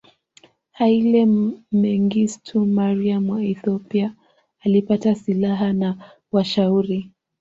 Haile Mengistu Mariam wa Ethiopia alipata silaha na washauri